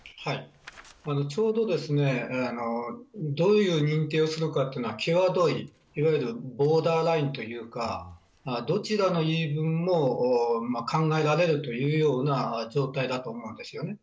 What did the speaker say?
ちょうど、どういう認定をするかというのはきわどいいわゆるボーダーラインというかどちらの言い分も考えられるというような状態だと思います。